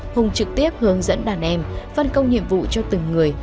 hùng trực tiếp hướng dẫn đàn em phân công nhiệm vụ cho từng người